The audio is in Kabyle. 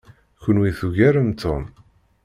Kenwi tugarem Tom.